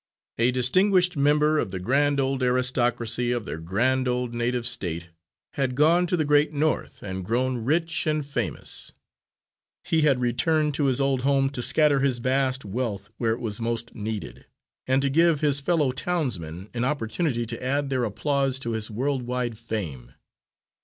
A distinguished member of the grand old aristocracy of their grand old native State had gone to the great North and grown rich and famous. He had returned to his old home to scatter his vast wealth where it was most needed, and to give his fellow townsmen an opportunity to add their applause to his world wide fame.